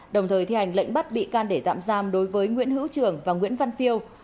đồng thời thi hành lệnh bắt bị can để tạm giam đối với nguyễn hữu trường và nguyễn văn phiêu